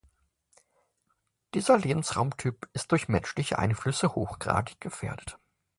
Dieser Lebensraumtyp ist durch menschliche Einflüsse hochgradig gefährdet.